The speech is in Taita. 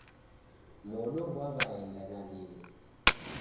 Modo ghaw'aenda nadime.